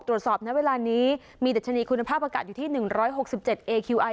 ตรวจสอบในเวลานี้มีเดชนีคุณภาพอากาศอยู่ที่หนึ่งร้อยหกสิบเจ็ดเอคิวไอ